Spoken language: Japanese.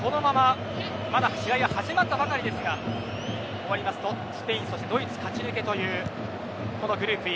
試合は始まったばかりですがこのままで終わりますとスペイン、ドイツ勝ち抜けというこのグループＥ。